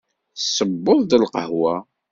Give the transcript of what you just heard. Tesseweḍ lqahwa?